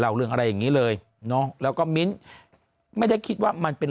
เรื่องอะไรอย่างนี้เลยเนาะแล้วก็มิ้นไม่ได้คิดว่ามันเป็น